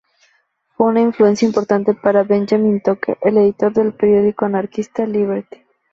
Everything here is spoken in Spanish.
Fue una influencia importante para Benjamin Tucker, el editor del periódico anarquista "Liberty".